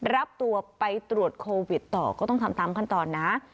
รับตัวไปตรวจโควิดต่อก็ต้องทำตามขั้นตอนนะ